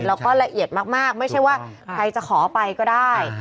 แล้วก็ละเอียดมากไม่ใช่ว่าใครจะขอไปก็ได้